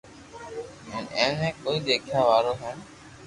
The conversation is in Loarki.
ھين اي ني ڪوئي ديکيا ۾ آوو ھين